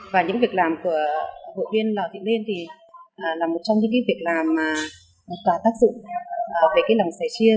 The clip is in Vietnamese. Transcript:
và những việc làm của hội viên lò thị lên là một trong những việc làm có tác dụng về lòng sẻ chia